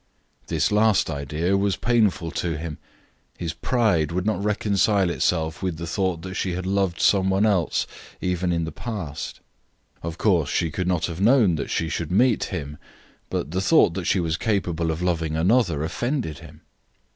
This last idea was painful to him. His pride would not reconcile itself with the thought that she had loved some one else, even in the past. Of course, she could not have known that she should meet him, but the thought that she was capable of loving another offended him.